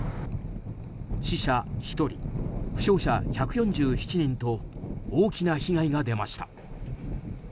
死者１人、負傷者１４７人と大きな被害が出ました。